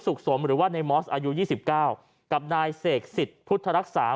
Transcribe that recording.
สุขสมหรือว่าในมอสอายุยี่สิบเก้ากับนายเสกศิษย์พุทธรรคสาม